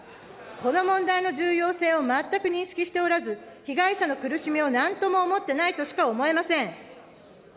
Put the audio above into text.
この問題の重要性を全く認識しておらず、被害者の苦しみをなんとも思ってないとしか思えません。